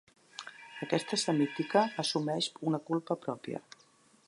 Aquesta semítica assumeix una culpa pròpia.